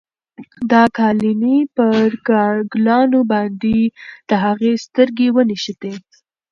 د قالینې پر ګلانو باندې د هغې سترګې ونښتې.